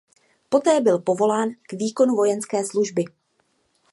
Poté byl povolán k výkonu vojenské služby.